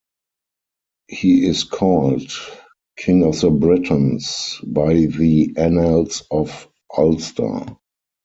He is called "King of the Britons" by the "Annals of Ulster.